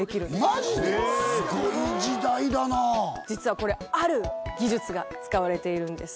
マジで⁉実はこれある技術が使われているんです。